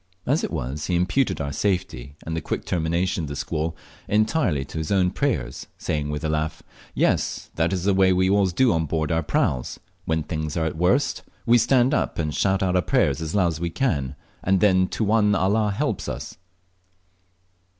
As it was, he imputed our safety and the quick termination of the squall entirely to his own prayers, saying with a laugh, "Yes, that's the way we always do on board our praus; when things are at the worst we stand up and shout out our prayers as loud as we can, and then Tuwan Allah helps us."